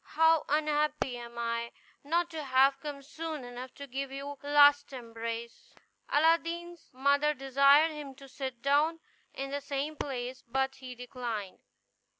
how unhappy am I, not to have come soon enough to give you one last embrace!" Aladdin's mother desired him to sit down in the same place, but he declined.